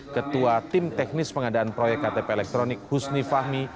ketua tim teknis pengadaan proyek ktp elektronik husni fahmi